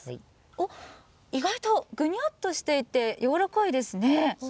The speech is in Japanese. おっ、意外とぐにゃっとしていて、やわらかいですね。